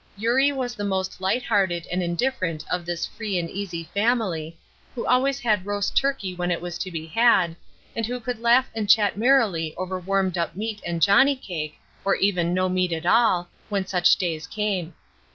Eurie was the most light hearted and indifferent of this free and easy family, who always had roast turkey when it was to be had, and who could laugh and chat merrily over warmed up meat and johnny cake, or even no meat at all, when such days came.